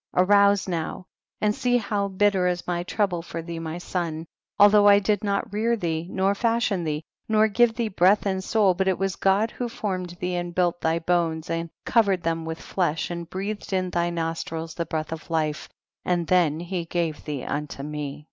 28. Arouse now and see how bit ter is my trouble for thee my son, although I did not rear thee, nor fashion thee, nor give thee breath and soul, but it was God who form ed thee and built thy bones and co vered them with flesh, and breathed in thy nostrils the breath of life, and then he gave thee unto me, 29.